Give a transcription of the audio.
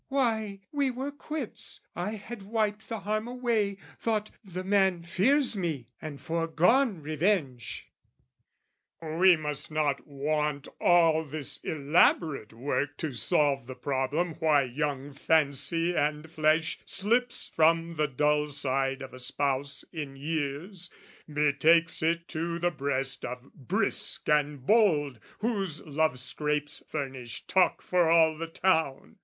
"Why, we were quits I had wiped the harm away, "Thought 'The man fears me!' and foregone revenge." We must not want all this elaborate work To solve the problem why young fancy and flesh Slips from the dull side of a spouse in years, Betakes it to the breast of brisk and bold Whose love scrapes furnish talk for all the town!